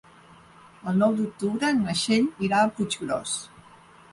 El nou d'octubre na Txell irà a Puiggròs.